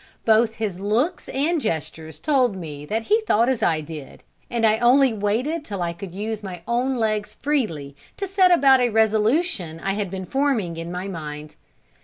Both his looks and gestures told me that he thought as I did, and I only waited till I could use my own legs freely, to set about a resolution I had been forming in my mind.